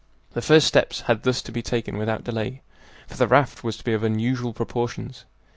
The first steps had thus to be taken without delay, for the raft was to be of unusual proportions.